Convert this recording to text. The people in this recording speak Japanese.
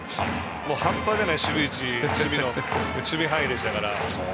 半端じゃない守備範囲でしたから。